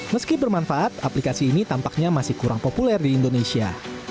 meski bermanfaat aplikasi ini tampaknya masih kurang populer di indonesia